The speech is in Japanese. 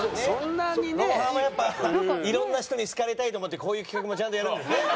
『ロンハー』もやっぱいろんな人に好かれたいと思ってこういう企画もちゃんとやるんですね。